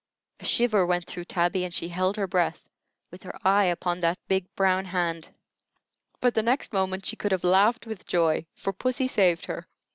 A shiver went through Tabby, and she held her breath, with her eye upon that big, brown hand; but the next moment she could have laughed with joy, for pussy saved her.